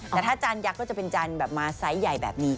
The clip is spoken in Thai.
แต่ถ้าจานยักษ์ก็จะเป็นจานแบบมาไซส์ใหญ่แบบนี้